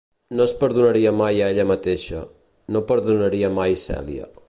No es perdonaria mai a ella mateixa; no perdonaria mai Celia.